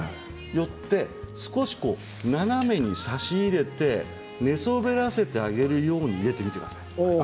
よって少し長めに挿し入れて寝そべらせてあげるように入れてみてください。